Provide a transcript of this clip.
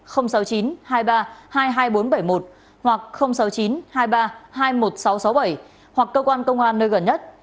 sáu mươi chín hai mươi ba hai mươi hai nghìn bốn trăm bảy mươi một hoặc sáu mươi chín hai mươi ba hai mươi một nghìn sáu trăm sáu mươi bảy hoặc cơ quan công an nơi gần nhất